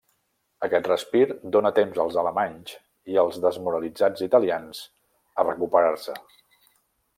Aquest respir donà temps als alemanys i als desmoralitzats italians a recuperar-se.